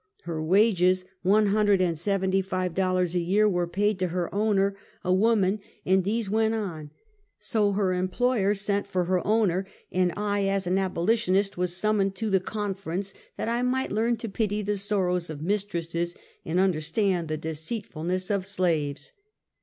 Her wages, one hundred and seventy five dollars a year, were paid to her owner, a woman, and these went on; so her employer sent for her owner, and I, as an abolitionist, was summoned to the conference, that I might learn to pity the sorrows of mistresses, and un derstand the deceitfulness of slaves.